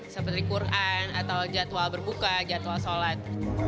seperti quran atau jadwal berbuka jadwal sholat